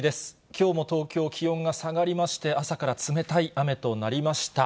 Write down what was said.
きょうも東京、気温が下がりまして、朝から冷たい雨となりました。